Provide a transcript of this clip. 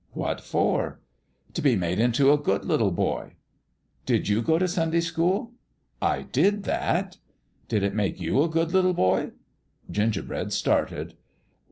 "What for?" " T' be made into a good little boy." " Did you go to Sunday school ?" "I did that!' " Did it make you a good little boy ?" Gingerbread started.